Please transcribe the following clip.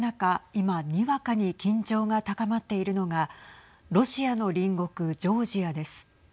今にわかに緊張が高まっているのがロシアの隣国ジョージアです。